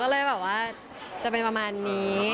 ก็เลยแบบว่าจะเป็นประมาณนี้